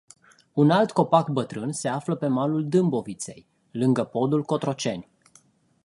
Un alt copac bătrân se află pe malul Dâmboviței, lângă podul Cotroceni.